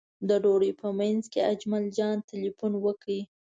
د ډوډۍ په منځ کې اجمل جان تیلفون وکړ.